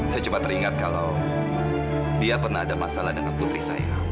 saya coba teringat kalau dia pernah ada masalah dengan putri saya